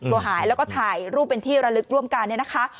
หายแล้วก็ถ่ายรูปเป็นที่ระลึกร่วมกันเนี่ยนะคะ